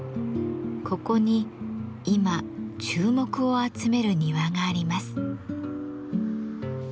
ここに今注目を集める庭があります。